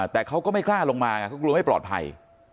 แต่เขาก็ไม่กล้าลงมาไงเขากลัวไม่ปลอดภัย